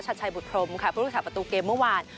ชัดชัยบุตพรมค่ะผู้รักษาประตูเกมเมื่อวาน